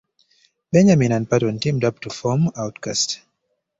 Benjamin and Patton teamed up to form Outkast.